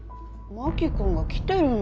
真木君が来てるのに。